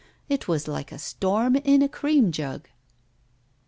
It was like a storm in a cream jug!